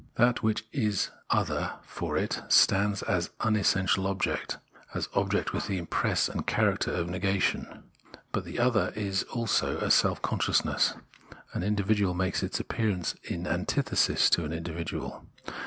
That which for it is other stands as unessential object, as object with the impress and character of negation. But the other is also a self consciousness ; an individual makes its appearance in antithesis to an individual.